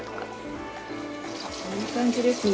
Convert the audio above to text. もういい感じですね。